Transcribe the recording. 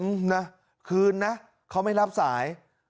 นะคืนนะเขาไม่รับสาย